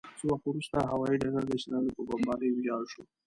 څه وخت وروسته هوايي ډګر د اسرائیلو په بمبارۍ ویجاړ شو.